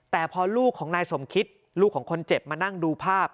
แต่พอลูกของนายสมคิตลูกของคนเจ็บมานั่งดูภาพ